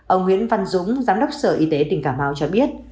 ông nguyễn văn dũng giám đốc sở y tế tỉnh cà mau cho biết